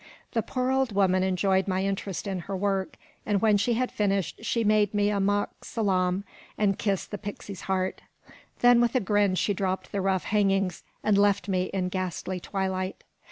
The poor old woman enjoyed my interest in her work, and when she had finished, she made me a mock salaam, and kissed the pixie's heart. Then, with a grin, she dropped the rough hangings, and left me in ghastly twilight.